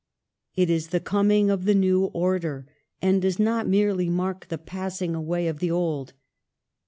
It is the coming of the new order, and does not merely mark the passing away of the old.